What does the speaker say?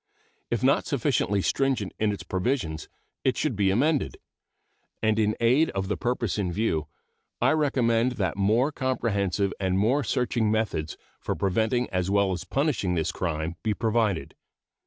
If not sufficiently stringent in its provisions, it should be amended; and in aid of the purpose in view I recommend that more comprehensive and more searching methods for preventing as well as punishing this crime be provided.